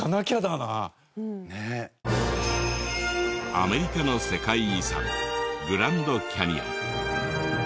アメリカの世界遺産グランドキャニオン。